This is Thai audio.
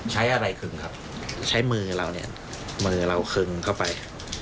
ใช้อะไรคึงครับใช้มือเราเนี่ยมือเราคึงเข้าไป